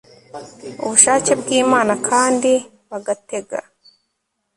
ubushake bw'imana kandi bagatega